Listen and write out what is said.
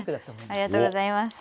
ありがとうございます。